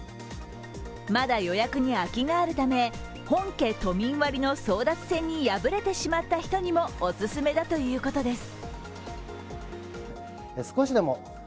まだ予約に空きがあるため本家都民割の争奪戦に敗れてしまった人にもお勧めだということです。